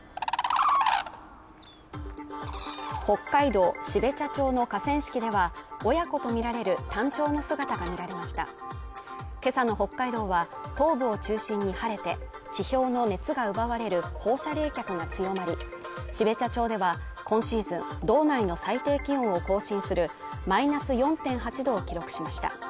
北海道標茶町の河川敷では親子と見られるタンチョウの姿が見られました今朝の北海道は東部を中心に晴れて地表の熱が奪われる放射冷却が強まり標茶町では今シーズン道内の最低気温を更新するマイナス４．８度を記録しました